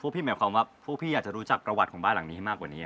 พี่หมายความว่าพวกพี่อยากจะรู้จักประวัติของบ้านหลังนี้ให้มากกว่านี้